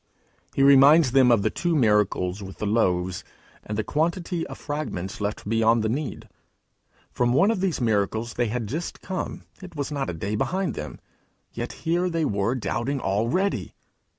He reminds them of the two miracles with the loaves, and the quantity of fragments left beyond the need. From one of these miracles they had just come; it was not a day behind them; yet here they were doubting already!